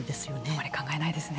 あんまり考えないですね。